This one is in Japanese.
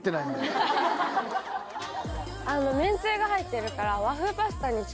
麺つゆが入ってるから。